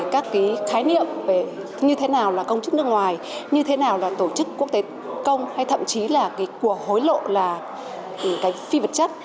các cái khái niệm như thế nào là công chức nước ngoài như thế nào là tổ chức quốc tế công hay thậm chí là của hối lộ là cái phi vật chất